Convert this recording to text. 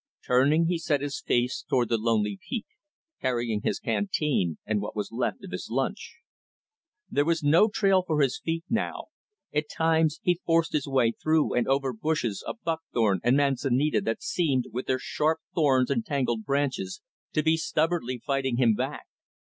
Turning, he set his face toward the lonely peak; carrying his canteen and what was left of his lunch. There was no trail for his feet now. At times, he forced his way through and over bushes of buckthorn and manzanita that seemed, with their sharp thorns and tangled branches, to be stubbornly fighting him back.